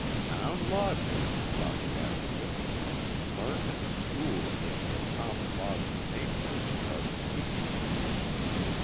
"Sound logic," thought the Advocate, "learnt in a school in which the common laws of nature are the teachers.